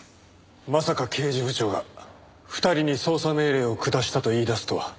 まさか刑事部長が２人に捜査命令を下したと言い出すとは。